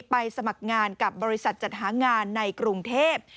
สมัครงานกับบริษัทจัดหางานในกรุงเทพ